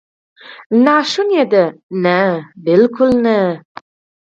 ناشونې ده؟ نه، بالکل نه!